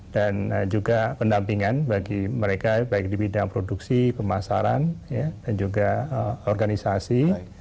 dan juga pendampingan bagi mereka baik di bidang produksi pemasaran ya dan juga organisasi